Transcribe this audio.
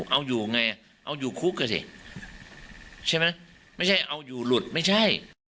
เอาอยู่ไงเอาอยู่คุกอ่ะสิใช่ไหมไม่ใช่เอาอยู่หลุดไม่ใช่